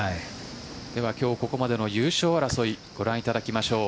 今日、ここまでの優勝争いをご覧いただきましょう。